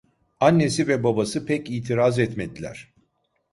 Annesi ve babası pek itiraz etmediler.